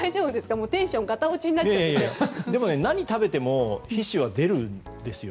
でも何を食べても皮脂は出るんですよ。